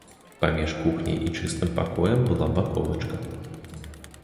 Паміж кухняй і чыстым пакоем была баковачка.